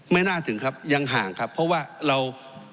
ไม่น่าถึงครับยังห่างครับเพราะว่าเรา